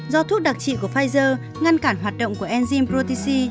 do thuốc đặc trị của pfizer ngăn cản hoạt động của enzyme protein c